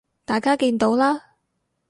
大家見到啦